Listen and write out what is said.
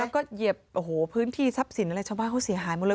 แล้วก็เหยียบโอ้โหพื้นที่ทรัพย์สินอะไรชาวบ้านเขาเสียหายหมดเลย